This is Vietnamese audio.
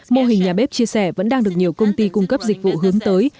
mô hình nhà bếp chia sẻ vẫn đang được nhiều công ty cung cấp dịch vụ hướng tới